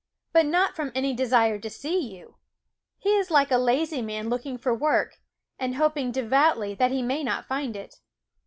But not from any desire to see you ! He is like a lazy man looking for work, and hoping devoutly that he may not find it.